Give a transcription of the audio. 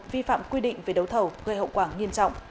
vi phạm quy định về đấu thầu gây hậu quả nghiêm trọng